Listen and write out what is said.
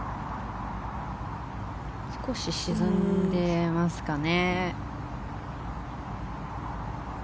少し沈んでましたね。